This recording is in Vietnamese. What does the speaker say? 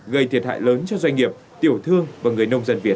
gây thiệt hại lớn cho doanh nghiệp tiểu thương và người nông dân việt